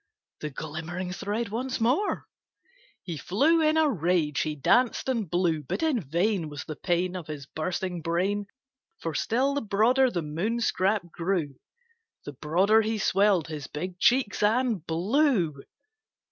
The glimmering thread once more! He flew in a rage he danced and blew; But in vain Was the pain Of his bursting brain; For still the broader the Moon scrap grew, The broader he swelled his big cheeks and blew.